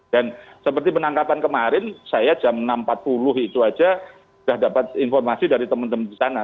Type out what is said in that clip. dan seperti penangkapan kemarin saya jam enam empat puluh itu saja sudah dapat informasi dari teman teman di sana